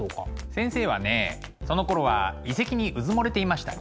先生はねそのころは遺跡にうずもれていましたね。